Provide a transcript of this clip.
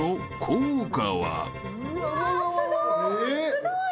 すごい。